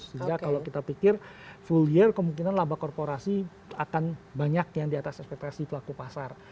sehingga kalau kita pikir full year kemungkinan laba korporasi akan banyak yang di atas ekspektasi pelaku pasar